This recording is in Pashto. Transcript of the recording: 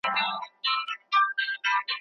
باغچه باید په پوره ډول وپالل شي.